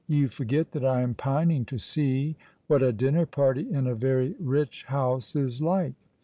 " ^on forget that I am pining to see what a dinner party in a very rich honse is like.